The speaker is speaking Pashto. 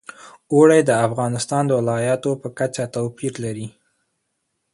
اوړي د افغانستان د ولایاتو په کچه توپیر لري.